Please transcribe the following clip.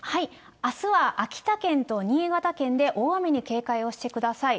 あすは秋田県と新潟県で大雨に警戒をしてください。